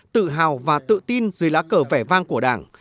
tự hào và tự tin dưới lá cờ vẻ vang của đảng